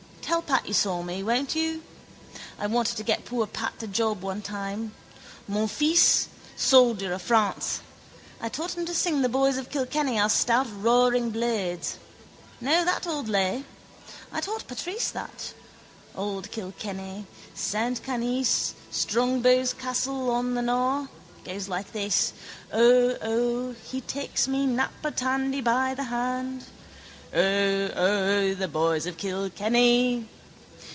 Tell Pat you saw me, won't you? I wanted to get poor Pat a job one time. Mon fils, soldier of France. I taught him to sing The boys of Kilkenny are stout roaring blades. Know that old lay? I taught Patrice that. Old Kilkenny: saint Canice, Strongbow's castle on the Nore. Goes like this. O, O. He takes me, Napper Tandy, by the hand. O, O the boys of Kilkenny...